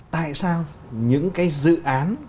tại sao những cái dự án